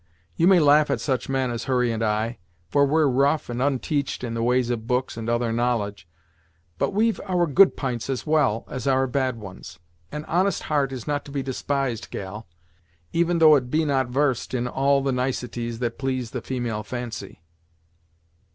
You may laugh at such men as Hurry and I, for we're rough and unteached in the ways of books and other knowledge; but we've our good p'ints, as well as our bad ones. An honest heart is not to be despised, gal, even though it be not varsed in all the niceties that please the female fancy."